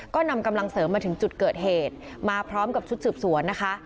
ก็นำกำลังเสริมมาถึงจุดเกิดเหตุมาพร้อมกับชุดสืบสวนนะคะ